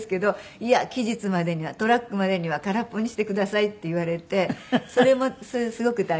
いや期日までには「トラックまでには空っぽにしてください」って言われてそれもすごく大変です。